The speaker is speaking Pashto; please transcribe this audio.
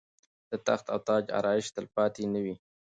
د تخت او تاج آرایش تلپاتې نه وي.